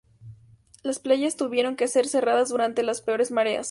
Las playas tuvieron que ser cerradas durante las peores mareas.